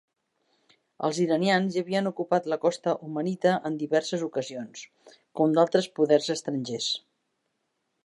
Els iranians ja havien ocupat la costa omanita en diverses ocasions, com d'altres poders estrangers.